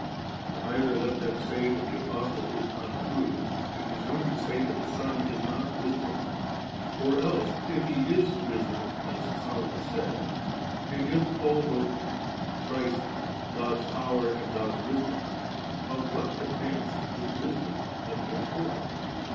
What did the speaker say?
for either let them say that the Apostle is untrue, and pre sume to say that the Son is not Wisdom, or else if He is Wisdom as Solomon said, and if Paul wrote, * Christ God's Power and God's Wisdom,' of what advance did Wisdom admit further?